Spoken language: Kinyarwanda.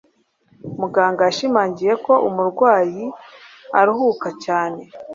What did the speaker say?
Muganga yashimangiye ko umurwayi aruhuka cyane